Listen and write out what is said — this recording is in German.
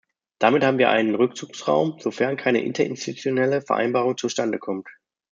Damit haben wir einen Rückzugsraum, sofern keine Interinstitutionelle Vereinbarung zustande kommt.